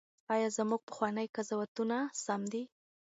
ایا زموږ پخواني قضاوتونه سم دي؟